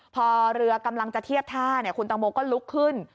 พอเรือกำลังจะเทียบท่าคุณตังโมก็ลุกขึ้น